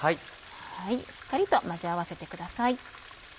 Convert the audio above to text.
しっかりと混ぜ合わせてください。